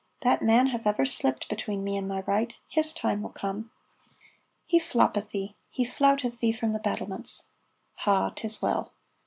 "That man hath ever slipped between me and my right. His time will come." "He floppeth thee he flouteth thee from the battlements." "Ha, 'tis well!"